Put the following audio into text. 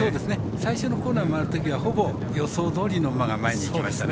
最初のコーナーを回ったときは予想どおりの馬が前にいきましたね。